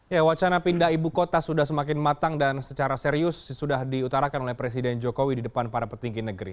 ya wacana pindah ibu kota sudah semakin matang dan secara serius sudah diutarakan oleh presiden jokowi di depan para petinggi negeri